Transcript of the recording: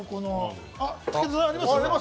武田さん、あります？